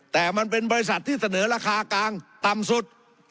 แต่มันเป็นบริษัทที่เสนอราคากลางต่ำสุด